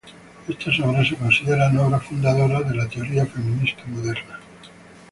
Estas obras se consideran obras fundadoras de la teoría feminista moderna.